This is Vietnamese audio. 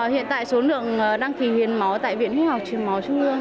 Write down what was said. hiện tại số lượng đăng kỳ hiến máu tại viện huy học truyền máu trung ương